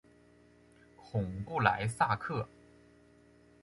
孔布莱萨克。